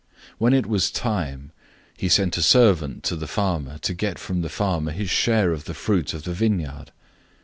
012:002 When it was time, he sent a servant to the farmer to get from the farmer his share of the fruit of the vineyard.